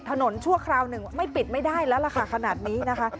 ชั่วคราวหนึ่งไม่ปิดไม่ได้แล้วล่ะค่ะขนาดนี้นะคะ